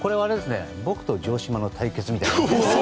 僕と城島の対決みたいな。